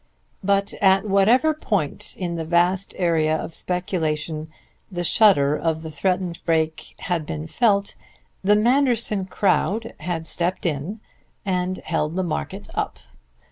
But at whatever point in the vast area of speculation the shudder of the threatened break had been felt, "the Manderson crowd" had stepped in and held the market up.